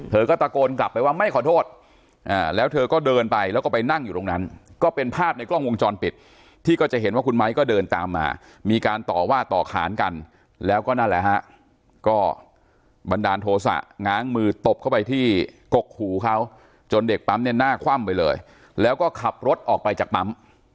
เธอก็ตะโกนกลับไปว่าไม่ขอโทษแล้วเธอก็เดินไปแล้วก็ไปนั่งอยู่ตรงนั้นก็เป็นภาพในกล้องวงจรปิดที่ก็จะเห็นว่าคุณไม้ก็เดินตามมามีการต่อว่าต่อขานกันแล้วก็นั่นแหละฮะก็บันดาลโทษะง้างมือตบเข้าไปที่กกหูเขาจนเด็กปั๊มเนี่ยหน้าคว่ำไปเลยแล้วก็ขับรถออกไปจากปั๊ม